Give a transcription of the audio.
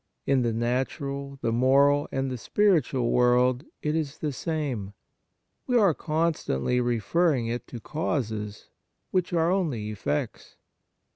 In the natural, the moral, and the spiritual world it is the same. We are constantly re ferring it to causes which are only effects.